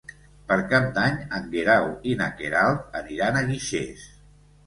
Per Cap d'Any en Guerau i na Queralt aniran a Guixers.